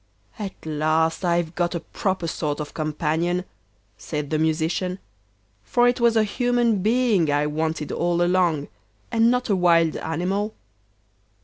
'At last I've got a proper sort of companion,' said the Musician, 'for it was a human being I wanted all along, and not a wild animal.